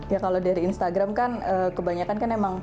ya kalau dari instagram kan kebanyakan kan emang